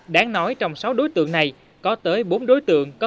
đáng nói trong sáu đối tượng này có tới bốn đối tượng